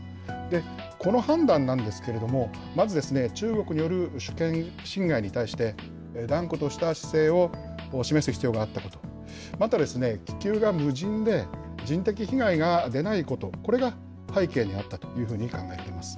この判断なんですけれども、まず、中国による主権侵害に対して、断固とした姿勢を示す必要があったこと、また気球が無人で、人的被害が出ないこと、これが背景にあったというふうに考えられます。